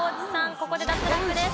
ここで脱落です。